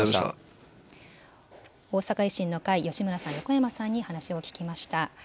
大阪維新の会、吉村さん、横山さんに話を聞きました。